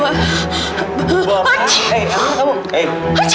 buah apaan eh apa kamu